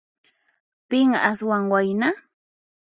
Pin aswan wayna?